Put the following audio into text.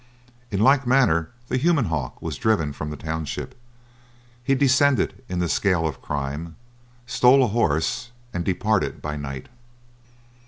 In like manner the human hawk was driven from the township. He descended in the scale of crime, stole a horse, and departed by night.